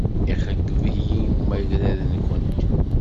Ixeyyeb-iyi umagrad-nwent.